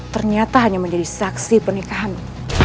ternyata hanya menjadi saksi pernikahan